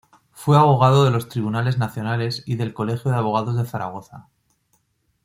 Fue abogado de los Tribunales Nacionales y del Colegio de Abogados de Zaragoza.